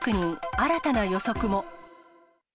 新たな予測も。